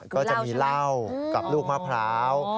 ก็จะมีเหล้ากับลูกมะพร้าว